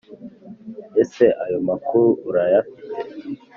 ese ayo makuru urayafite?